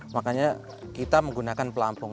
makanya kita menggunakan pelampung